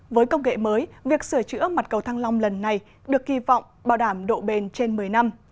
với công nghệ mới việc sửa chữa mặt cầu thăng long lần này được kỳ vọng bảo đảm độ bền trên một mươi năm